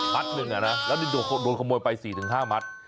มัตต์หนึ่งอะนะแล้วโดนขโมยไป๔๕มัตต์